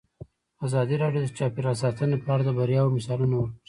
ازادي راډیو د چاپیریال ساتنه په اړه د بریاوو مثالونه ورکړي.